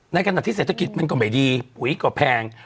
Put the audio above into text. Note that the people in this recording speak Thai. ในขณะที่เศรษฐกิจมันก็ไม่ดีปุ๋ยก็แพง